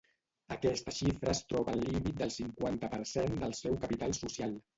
Aquesta xifra es troba al límit del cinquanta per cent del seu capital social.